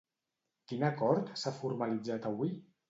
Quin acord s'ha formalitzat avui?